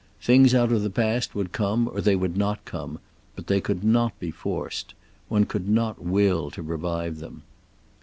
Things out of the past would come or they would not come, but they could not be forced. One could not will to revive them.